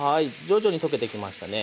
徐々に溶けてきましたね。